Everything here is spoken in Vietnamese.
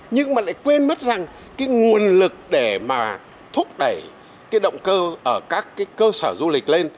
nhưng mà lại quên mất rằng cái nguồn lực để mà thúc đẩy cái động cơ ở các cái cơ sở du lịch lên